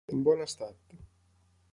En bon estat.